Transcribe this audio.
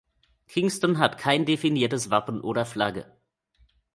Kingston hat kein definiertes Wappen oder Flagge.